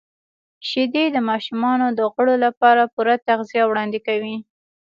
•شیدې د ماشومانو د غړو لپاره پوره تغذیه وړاندې کوي.